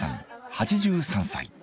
８３歳。